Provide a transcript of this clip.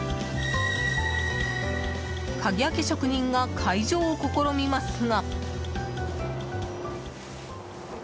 鍵開け職人が解錠を試みますが。